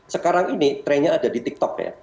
sekarang ini trennya ada di tiktok ya